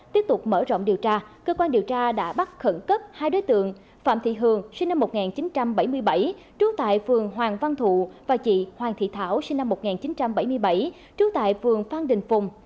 tiếp tục mở rộng điều tra cơ quan điều tra đã bắt khẩn cấp hai đối tượng phạm thị hường sinh năm một nghìn chín trăm bảy mươi bảy trú tại phường hoàng văn thụ và chị hoàng thị thảo sinh năm một nghìn chín trăm bảy mươi bảy trú tại phường phan đình phùng